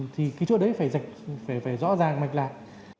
thì cái chỗ đấy phải rõ ràng mạch lại